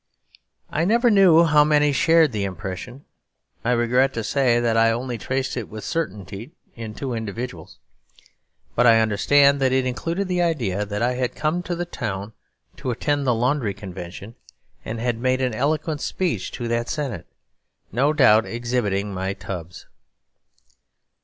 I never knew how many shared the impression; I regret to say that I only traced it with certainty in two individuals. But I understand that it included the idea that I had come to the town to attend the Laundry Convention, and had made an eloquent speech to that senate, no doubt exhibiting my tubs.